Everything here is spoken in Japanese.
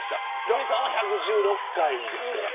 瑠麗さんは１１６回ですから。